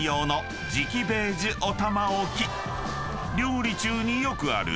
［料理中によくある］